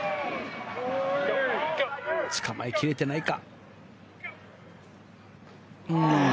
つかまえ切れてないか。